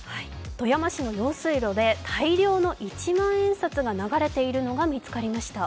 富山市の用水路で大量の一万円札が流れているのが見つかりました。